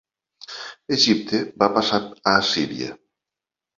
Egipte va passar a Assíria.